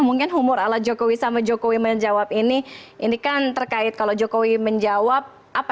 mungkin humor ala jokowi sama jokowi menjawab ini ini kan terkait kalau jokowi menjawab